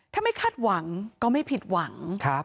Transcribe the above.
ถ้าไม่คาดหวังก็ไม่ผิดหวัง